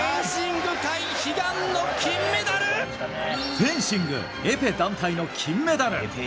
フェンシングエペ団体の金メダル。